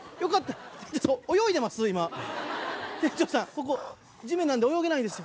ここ地面なんで泳げないです。